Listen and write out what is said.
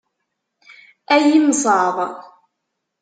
Ay imsaḍ!